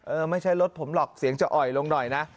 ไม่ใช่รถผมหรอกเสียงจะอ่อยลงหน่อยนะ